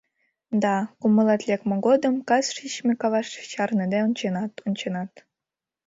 Да, кумылет лекме годым, кас шичме каваш чарныде онченат, онченат…